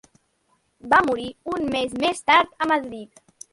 Va morir un mes més tard a Madrid.